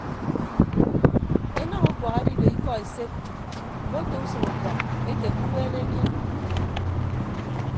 Enañ ukuak edido ikọ esed mmoto usʌñ ukuak ete ke uweene anie.